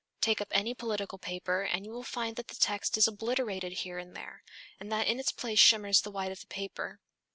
Take up any political paper and you will find that the text is obliterated here and there, and that in its place shimmers the white of the paper.